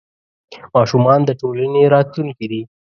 ماشومان د ټولنې راتلونکې دي.